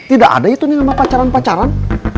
tidak ada itu nih nama pacaran pacaran